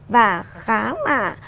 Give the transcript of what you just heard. và khá mà